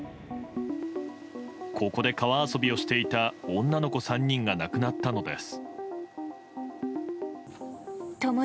ここで川遊びをしていた女の子３人が亡くなったのです。